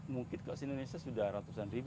mungkin kalau di indonesia sudah ratusan ribu